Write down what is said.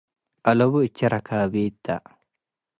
“አለቡ እቼ” ረካቢት ተ።